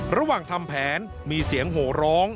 ระหว่างทำแผนมีเสียงโหร้อง